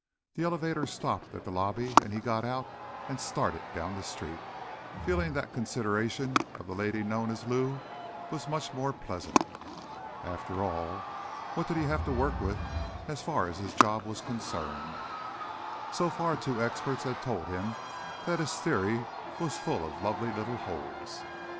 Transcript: The elevator stopped at the lobby and he got out and started down the street, feeling that consideration of the lady known as Lou was much more pleasant. After all, what did he have to work with, as far as his job was concerned? So far, two experts had told him that his theory was full of lovely little holes.